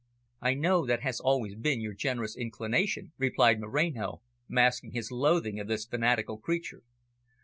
"I know that has always been your generous inclination," replied Moreno, masking his loathing of this fanatical creature.